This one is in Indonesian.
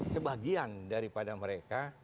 sebagian daripada mereka